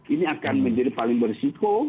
ini akan menjadi paling berisiko